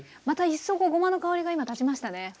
また一層ごまの香りが今立ちましたね